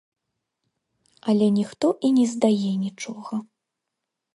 Але ніхто і не здае нічога.